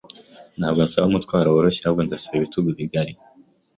Ntabwo nsaba umutwaro woroshye, ahubwo ndasaba ibitugu bigari.